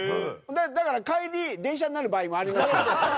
だから、帰り電車になる場合もあります。